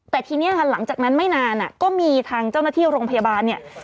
แต่ทีนี้ค่ะหลังจากนั้นไม่นานก็มีทางเจ้าหน้าที่โรงพยาบาลเนี่ย